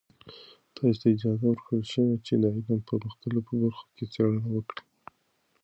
تاسې ته اجازه ورکړل شوې چې د علم په مختلفو برخو کې څیړنې وکړئ.